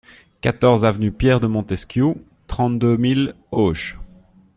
quatorze avenue Pierre de Montesquiou, trente-deux mille Auch